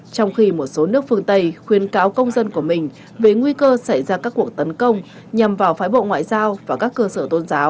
trong khi một số nước phương tây khuyên cáo công dân của mình về nguy cơ xảy ra các cuộc tấn công nhằm vào phái bộ ngoại giao và các cơ sở tôn giáo